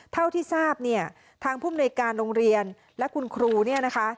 เท่าที่ทราบเนี่ยทางภูมิในการโรงเรียนและคุณครูเนี่ยนะคะ